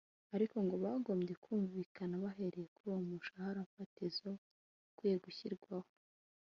ariko ngo bagombye kumvikana bahereye kuri uwo mushaharafatizo ukwiye gushyirwaho